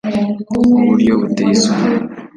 mu buryo buteye isoni